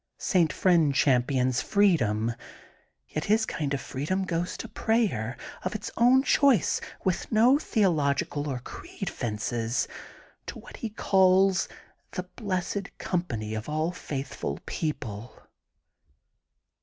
St. Friend champions freedom, yet his kind of freedom goes to prayer, of its own choice, with no theological or creed fences, to what he calls, * the blessed company of all faithful, people.